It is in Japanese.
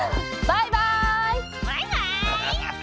バイバイ！